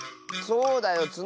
そうだよ。